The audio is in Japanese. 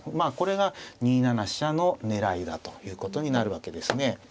これが２七飛車の狙いだということになるわけですね。